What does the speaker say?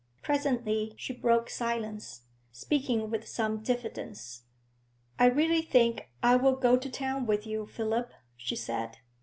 Presently she broke silence, speaking with some diffidence. 'I really think I will go to town with you, Philip,' she said.